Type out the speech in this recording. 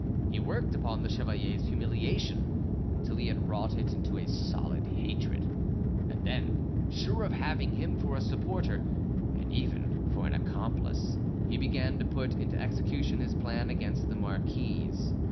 He worked upon the chevalier's humiliation until he had wrought it into a solid hatred; and then, sure of having him for a supporter and even for an accomplice, he began to put into execution his plan against the marquise.